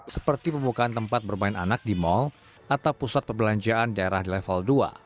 seperti pembukaan tempat bermain anak di mal atau pusat perbelanjaan daerah di level dua